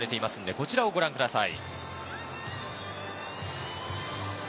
こちらをご覧ください。